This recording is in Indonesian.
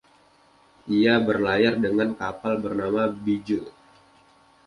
Ia berlayar dengan kapal bernama Beagle.